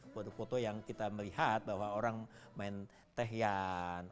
foto foto yang kita melihat bahwa orang main tehian